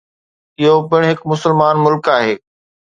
اهو پڻ هڪ مسلمان ملڪ آهي.